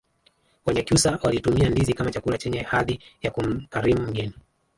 wanyakyusa walitumia ndizi kama chakula chenye hadhi ya kumkarimu mgeni